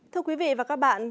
thưa quý vị và các bạn